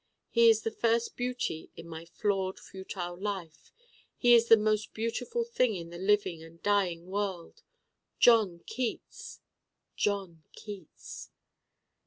He is the first beauty in my flawed futile life. He is the most beautiful thing in the living and dying world. John Keats John Keats!